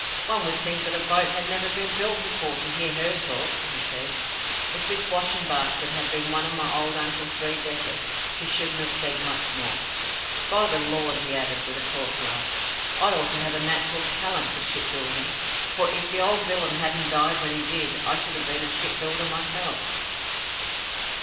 "One would think that a boat had never been built before to hear her talk," he said. "If this washing basket had been one of my old uncle's three deckers, she couldn't have said much more. By the Lord!" he added, with a coarse laugh, "I ought to have a natural talent for ship building; for if the old villain hadn't died when he did, I should have been a ship builder myself."